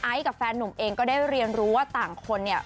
กับแฟนหนุ่มเองก็ได้เรียนรู้ว่าต่างคนเนี่ย